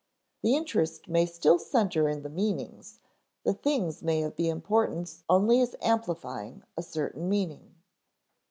The interest may still center in the meanings, the things may be of importance only as amplifying a certain meaning.